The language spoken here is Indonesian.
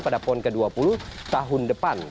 pada pon ke dua puluh tahun depan